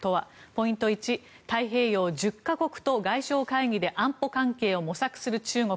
ポイント１太平洋１０か国と外相会議で安保関係を模索する中国。